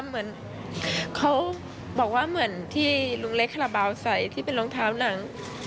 เหมือนเขาบอกว่าเหมือนที่ลุงเล็กคาราบาลใส่ที่เป็นรองเท้าหนัง